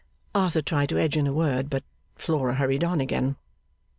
Arthur tried to edge a word in, but Flora hurried on again.